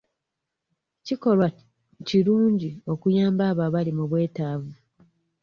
Kikolwa kirungi okuyamba abo abali mu bwetaavu.